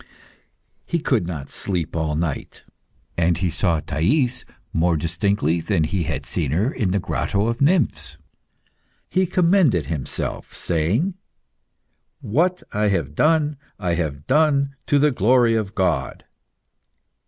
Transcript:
He could not sleep all night, and he saw Thais more distinctly than he had seen her in the Grotto of Nymphs. He commended himself, saying "What I have done, I have done to the glory of God."